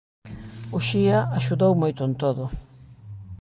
Uxía axudou moito en todo.